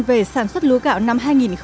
về sản xuất lúa gạo năm hai nghìn hai mươi